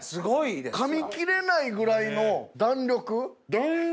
かみ切れないぐらいの弾力。